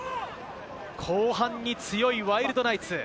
後半に強いワイルドナイツ。